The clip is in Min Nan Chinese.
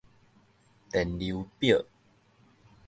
電流表